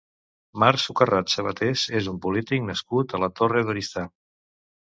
Marc Sucarrats Sabatés és un polític nascut a la Torre d'Oristà.